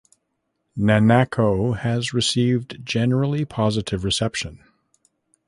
Nanako has received generally positive reception.